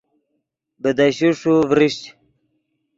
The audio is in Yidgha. بیدشے ݰو ڤریشچ